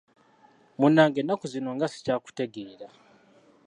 Munnange ennaku zino nga sikyakutegeera!